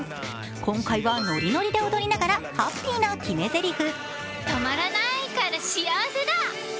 今回はノリノリで踊りながらハッピーな決めぜりふ。